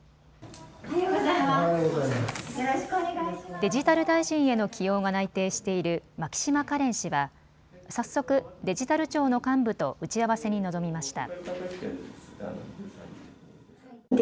デジタル大臣への起用が内定している牧島かれん氏は早速、デジタル庁の幹部と打ち合わせに臨みました。